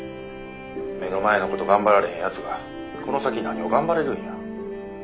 目の前のこと頑張られへんやつがこの先何を頑張れるんや。